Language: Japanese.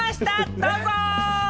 どうぞ！